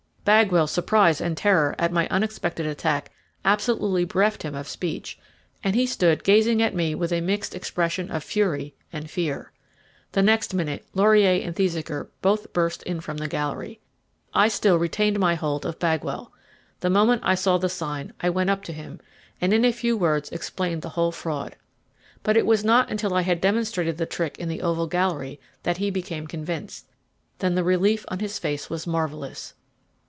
Bagwell's surprise and terror at my unexpected attack absolutely bereft him of speech, and he stood gazing at me with a mixed expression of fury and fear. The next minute Laurier and Thesiger both burst in from the gallery. I still retained my hold of Bagwell. The moment I saw the sign, I went up to him, and in a few words explained the whole fraud. But it was not until I had demonstrated the trick in the oval gallery that he became convinced; then the relief on his face was marvellous.